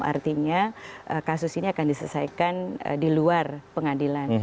artinya kasus ini akan diselesaikan di luar pengadilan